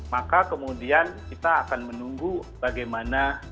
maka kemudian kita akan menunggu bagaimana